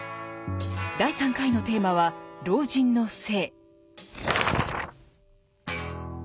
第３回のテーマは老人の性。